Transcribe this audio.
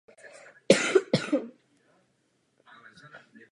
Farní kostel je součástí zámku.